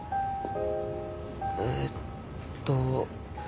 えっと。